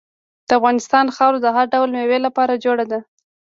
د افغانستان خاوره د هر ډول میوې لپاره جوړه ده.